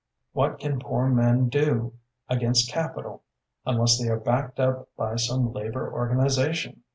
"What can poor men do against capital unless they are backed up by some labor organization?"